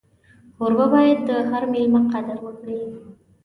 کوربه باید د هر مېلمه قدر وکړي.